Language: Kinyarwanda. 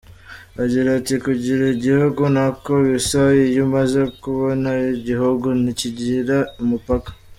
Agira ati “Kugira igihugu ntako bisa! Iyo umaze kubona igihugu ntikigira umupaka.